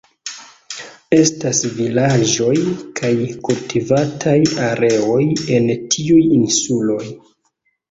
Estas vilaĝoj kaj kultivataj areoj en tiuj insuloj.